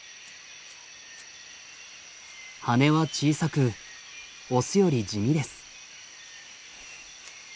羽は小さくオスより地味です。